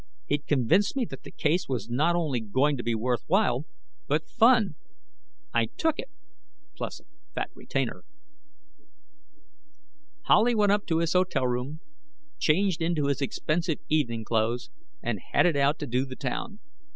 He'd convinced me that the case was not only going to be worthwhile, but fun. I took it, plus a fat retainer. Howley went up to his hotel room, changed into his expensive evening clothes, and headed out to do the town.